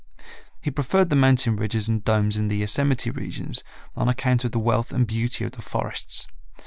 He preferred the mountain ridges and domes in the Yosemite regions on account of the wealth and beauty of the forests.